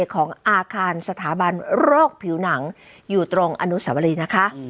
ของอาคารสถาบันโรคผิวหนังอยู่ตรงอนุสวรีนะคะ